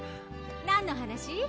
何の話？